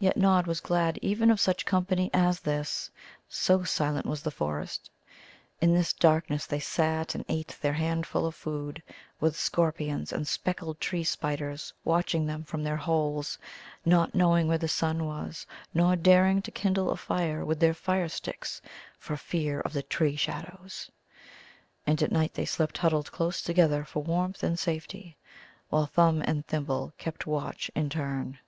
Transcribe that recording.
Yet Nod was glad even of such company as this, so silent was the forest. In this darkness they sat and ate their handful of food, with scorpions and speckled tree spiders watching them from their holes, not knowing where the sun was, nor daring to kindle a fire with their fire sticks for fear of the tree shadows. And at night they slept huddled close together for warmth and safety, while Thumb and Thimble kept watch in turn.